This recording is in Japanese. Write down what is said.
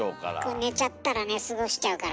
これ寝ちゃったら寝過ごしちゃうからね。